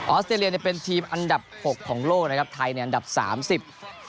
อสเตรเลียเนี่ยเป็นทีมอันดับหกของโลกนะครับไทยในอันดับสามสิบ